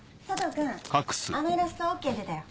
君あのイラストＯＫ出たよ。